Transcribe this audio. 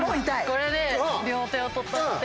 これで両手を取って持って。